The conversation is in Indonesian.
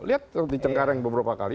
lihat di cengkareng beberapa kali